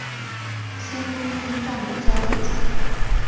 先锋村站的交界处。